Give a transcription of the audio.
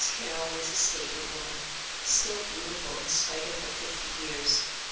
Carrol was a stately woman, still beautiful in spite of her fifty years.